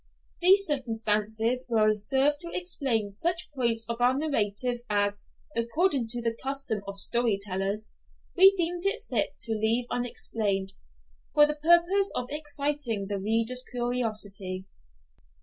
These circumstances will serve to explain such points of our narrative as, according to the custom of story tellers, we deemed it fit to leave unexplained, for the purpose of exciting the reader's curiosity.